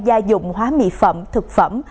gia dụng hóa mỹ phẩm thực phẩm